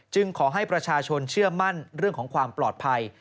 ขอให้ประชาชนเชื่อมั่นเรื่องของความปลอดภัย